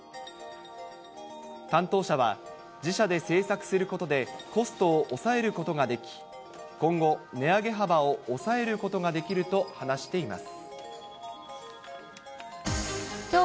担当者は、自社で製作することで、コストを抑えることができ、今後、値上げ幅を抑えることができると話しています。